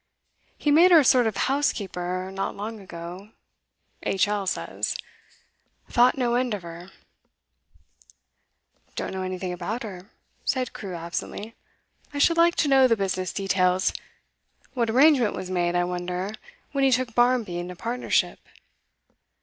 He made her a sort of housekeeper not long ago, H. L. says; thought no end of her.' 'Don't know anything about her,' said Crewe absently. 'I should like to know the business details. What arrangement was made, I wonder, when he took Barmby into partnership?